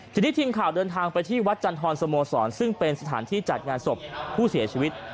ทีนี้ทีมข่าวเดินทางไปที่วัดจันทรสโมสรซึ่งเป็นสถานที่จัดงานศพผู้เสียชีวิต